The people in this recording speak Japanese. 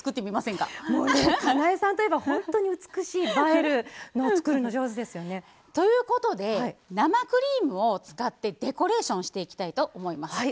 かなえさんといえば本当に美しい映えるのを作るの上手ですよね。ということで生クリームを使ってデコレーションしていきたいと思います。